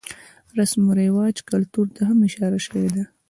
رسم رواج ،کلتور ته هم اشاره شوې ده.